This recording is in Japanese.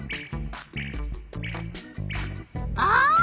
あ！